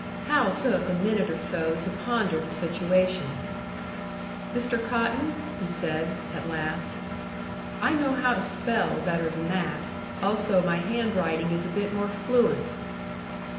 Hal took a minute or so to ponder the situation. "Mr. Cotton," he said, at last. "I know how to spell better than that. Also my handwriting is a bit more fluent."